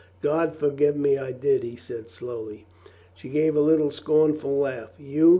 "God forgive me, I did," he said slowly. She gave a little scornful laugh. "You